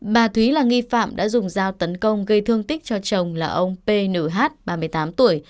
bà thúy là nghi phạm đã dùng dao tấn công gây thương tích cho chồng là ông p nh ba mươi tám tuổi